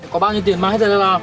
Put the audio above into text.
có bao nhiêu tiền mang hết ra đây nào